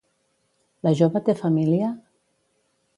La jove té família?